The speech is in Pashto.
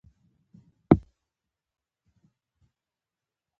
بزګرانو وسلې او نظم نه درلود.